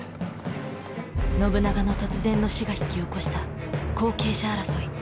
信長の突然の死が引き起こした後継者争い。